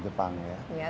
tergantung dari jabodebec